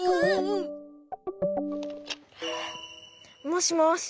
もしもし。